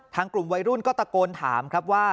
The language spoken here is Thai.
กลุ่มวัยรุ่นก็ตะโกนถามครับว่า